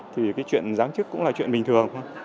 thì cái chuyện giáng chức cũng là chuyện bình thường